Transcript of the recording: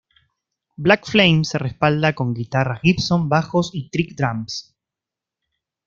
Black Flame se respalda con guitarras Gibson bajos y Trick Drums.